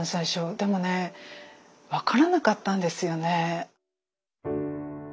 でもね分からなかったんですよね。